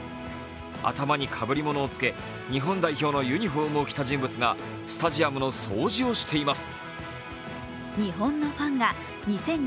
頭にかぶりものをつけ日本代表のユニフォームを着た人物がスタジアムの掃除をしています。